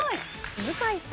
向井さん。